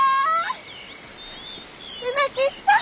梅吉さん！